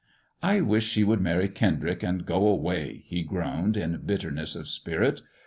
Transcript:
'^I wish she would marry Kendrick and go awayy^'bo groaned in bitterness of spirit.